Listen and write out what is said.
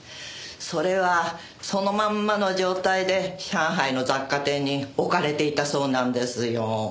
それはそのまんまの状態で上海の雑貨店に置かれていたそうなんですよ。